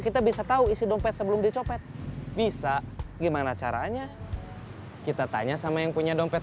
kita bisa tahu isi dompet sebelum dicopet bisa gimana caranya kita tanya sama yang punya dompet